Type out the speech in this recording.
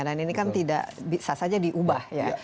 dan ini kan tidak bisa saja diubah